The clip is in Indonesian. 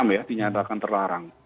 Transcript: enam puluh enam ya dinyatakan terlarang